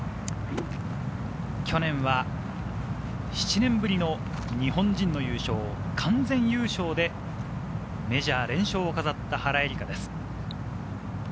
去年は７年ぶりの日本人の優勝、完全優勝でメジャー連勝を飾った原英莉花です。